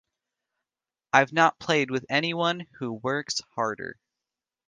I've not played with anyone who works harder.